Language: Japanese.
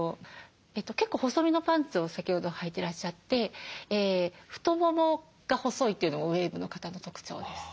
結構細みのパンツを先ほどはいてらっしゃって太ももが細いというのもウエーブの方の特徴です。